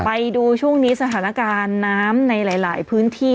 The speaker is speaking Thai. ไปดูช่วงนี้สถานการณ์น้ำในหลายพื้นที่